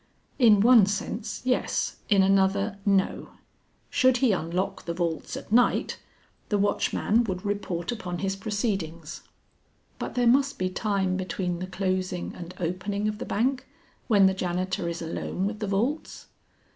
"In one sense, yes, in another, no. Should he unlock the vaults at night, the watchman would report upon his proceedings." "But there must be time between the closing and opening of the bank, when the janitor is alone with the vaults?"